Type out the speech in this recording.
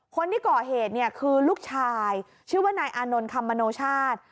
คนที่ก่อเหตุเนี่ยคือลูกชายชื่อว่านายอานนท์คำมโนชาติ